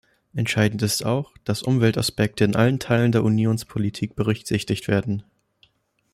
Entscheidend ist auch, dass Umweltaspekte in allen Teilen der Unionspolitik berücksichtigt werden.